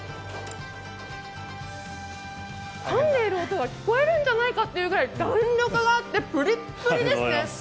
かんでいる音が聞こえるんじゃないかというくらい弾力があってぷりっぷりですね。